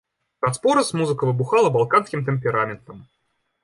Раз-пораз музыка выбухала балканскім тэмпераментам!